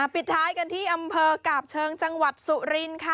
ปิดท้ายกันที่อำเภอกาบเชิงจังหวัดสุรินค่ะ